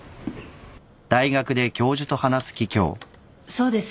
そうです。